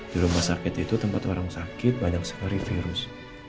di rumah sakit itu tempat orang sakit banyak sekali virus